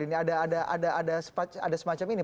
ini ada semacam ini